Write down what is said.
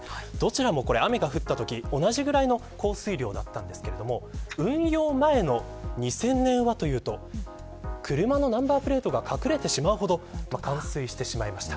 どちらも雨が降ったとき同じぐらいの降水量だったんですが運用前の２０００年は車のナンバープレートが隠れてしまうほど冠水してしまいました。